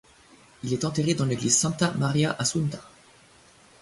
Il est enterré dans l'église Santa Maria Assunta.